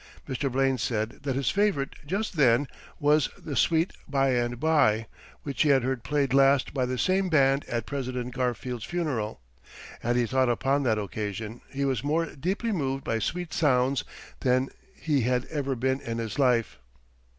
Mr. Blaine said that his favorite just then was the "Sweet By and By," which he had heard played last by the same band at President Garfield's funeral, and he thought upon that occasion he was more deeply moved by sweet sounds than he had ever been in his life.